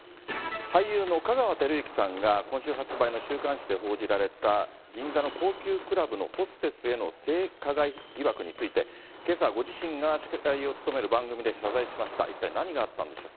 俳優の香川照之さんが、今週発売の週刊誌で報じられた、銀座の高級クラブのホステスへの性加害疑惑について、けさ、ご自身が司会を務める番組で謝罪しました。